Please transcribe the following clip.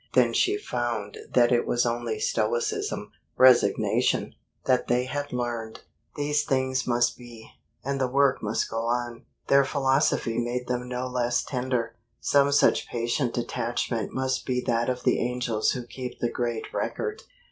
Then she found that it was only stoicism, resignation, that they had learned. These things must be, and the work must go on. Their philosophy made them no less tender. Some such patient detachment must be that of the angels who keep the Great Record.